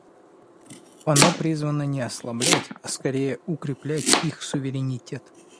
Оно призвано не ослаблять, а, скорее, укреплять их суверенитет.